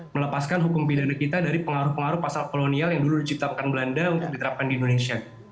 melepaskan hukum pidana kita dari pengaruh pengaruh pasal kolonial yang dulu diciptakan belanda untuk diterapkan di indonesia